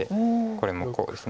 これもこうです。